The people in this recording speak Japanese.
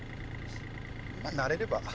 まあ慣れれば。